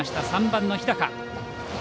３番の日高。